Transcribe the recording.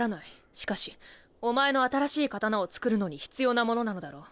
しかしおまえの新しい刀を作るのに必要なものなのだろう。